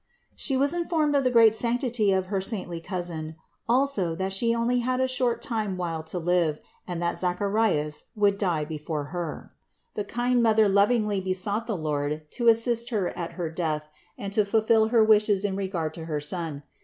She was informed of the great sanctity of her saintly cousin, also, that she had only a short while to live and that Zacharias would die before her. The kind Mother lovingly besought the Lord to assist her at her death and to fulfill her wishes in regard to her son.